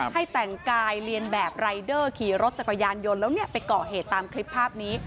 ให้แต่งกายเรียนแบบรายเดอร์ขี่รถจักรยานยนต์แล้วไปก่อเหตุตามคลิปภาพนี้